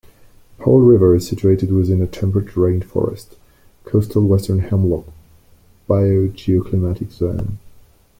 Powell River is situated within a temperate rainforest, Coastal Western Hemlock biogeoclimatic zone.